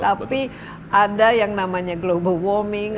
tapi ada yang namanya global warming